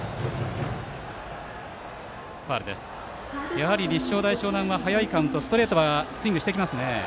やはり立正大淞南は早いカウントストレートはスイングしてきますね。